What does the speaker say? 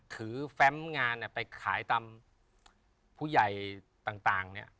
ถือแฟมงานไปขายตามผู้ใหญ่ต่าง